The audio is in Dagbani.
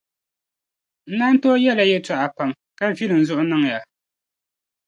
N naan tooi yɛli ya yɛtɔɣa pam, ka vili n zuɣu niŋ ya.